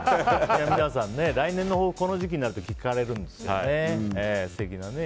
皆さんね来年のこの時期になると聞かれるんですよね。